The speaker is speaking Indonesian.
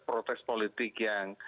protes politik yang